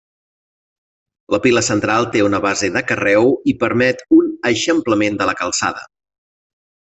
La pila central té una base de carreu i permet un eixamplament de la calçada.